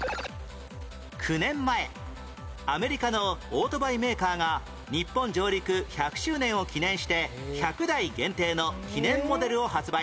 ９年前アメリカのオートバイメーカーが日本上陸１００周年を記念して１００台限定の記念モデルを発売